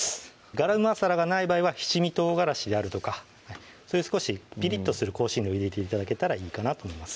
ガラムマサラがない場合は七味とうがらしであるとかそういう少しピリッとする香辛料を入れて頂けたらいいかなと思います